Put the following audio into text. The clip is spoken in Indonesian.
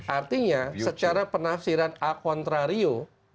artinya secara penafsiran a contrario